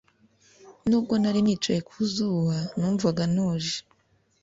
Nubwo nari nicaye ku zuba numvaga ntuje